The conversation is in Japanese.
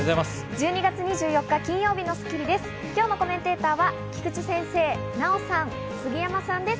１２月２４日、金曜日の『スッキリ』です。